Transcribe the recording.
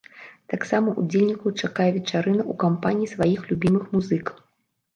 Таксама удзельнікаў чакае вечарына ў кампаніі сваіх любімых музыкаў!